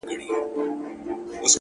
صندان د محبت دي په هر واري مخته راسي،